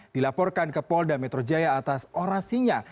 dilaporkan ke polda metro jaya atas orasinya